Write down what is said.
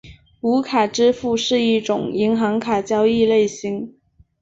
无卡支付是一种银行卡交易类型。